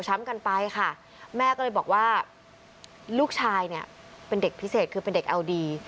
กันไปค่ะแม่ก็เลยบอกว่าลูกชายเนี่ยเป็นเด็กพิเศษคือเป็นเด็กเอาดี